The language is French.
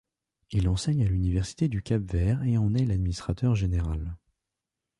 Il enseigne à l'université du Cap-Vert et en est l'administrateur général.